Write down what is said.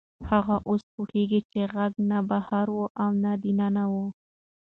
هغه اوس پوهېږي چې غږ نه بهر و او نه دننه.